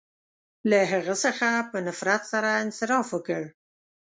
• له هغه څخه په نفرت سره انصراف وکړ.